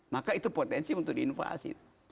maka itu potensi untuk diinvasi